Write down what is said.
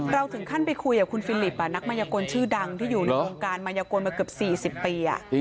ถึงขั้นไปคุยกับคุณฟิลิปนักมัยกลชื่อดังที่อยู่ในวงการมายกลมาเกือบ๔๐ปี